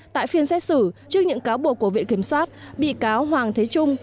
tại phiên xét xử trước những cáo buộc của viện kiểm soát bị cáo hoàng thế trung